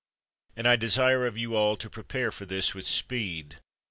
And I desire of all you to prepare for this with speed.